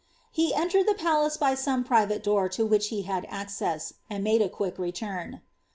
He entered the palace by some private door to which he had access, and made a quick returo.